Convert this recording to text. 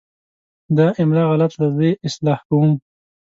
دا املا غلط ده، زه یې اصلاح کوم.